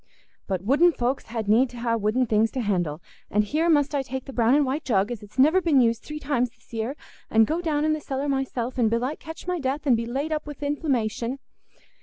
But wooden folks had need ha' wooden things t' handle. And here must I take the brown and white jug, as it's niver been used three times this year, and go down i' the cellar myself, and belike catch my death, and be laid up wi' inflammation...."